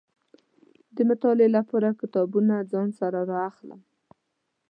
د مطالعې لپاره کتابونه ځان سره را اخلم.